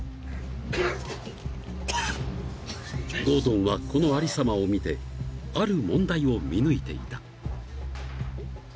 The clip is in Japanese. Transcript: ［ゴードンはこのありさまを見てある問題を見抜いていた］